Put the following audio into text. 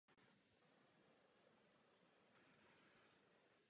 Herectví se věnovala od malička.